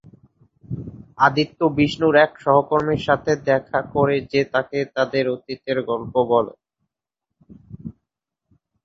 আদিত্য বিষ্ণুর এক সহকর্মীর সাথে দেখা করে যে তাকে তাদের অতীতের গল্প বলে।